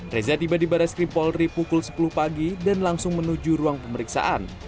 reza tiba di barai skrim polri pukul sepuluh pagi dan langsung menuju ruang pemeriksaan